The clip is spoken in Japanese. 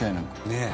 ねえ。